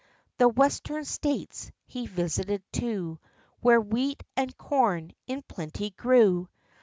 The Western States he visited, too, Where wheat and corn in plenty grew.